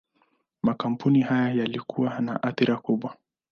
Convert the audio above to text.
Makampuni haya yalikuwa na athira kubwa.